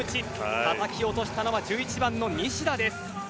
たたき落としたのは１１番の西田です。